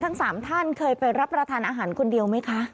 ทั้ง๓ท่านเคยไปรับประทานอาหารคนเดียวไหมคะ